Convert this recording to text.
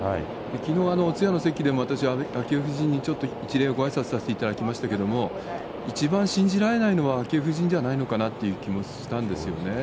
きのう、お通夜の席でも、私、昭恵夫人にちょっと一礼ごあいさつさせていただきましたけれども、一番信じられないのは、昭恵夫人ではないのかなという気もあるんですよね。